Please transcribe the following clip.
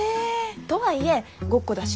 とはいえごっこだし。